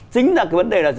chính là cái vấn đề là